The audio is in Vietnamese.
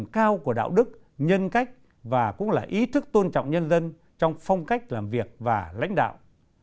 cao của đạo đức nhân cách và cũng là ý thức tôn trọng nhân dân trong phong cách làm việc và lãnh đạo